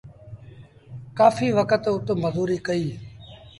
ڪآڦيٚ وکت اُت مزوريٚ ڪئيٚ۔